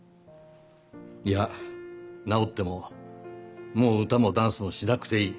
いや治ってももう歌もダンスもしなくていい。